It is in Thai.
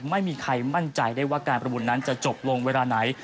ไม่มีใครมั่นใจได้ว่าการประมูลนั้นจะจบลงเวลาไหน